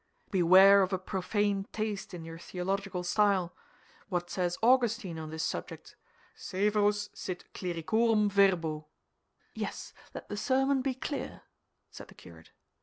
"Beware of a profane taste in your theological style. What says Augustine on this subject: 'Severus sit clericorum verbo.'" "Yes, let the sermon be clear," said the curate.